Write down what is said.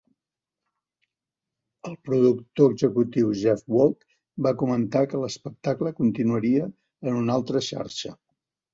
El productor executiu Jeff Wald va comentar que l'espectacle continuaria en una altra xarxa.